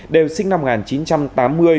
đều sinh năm một nghìn chín trăm tám mươi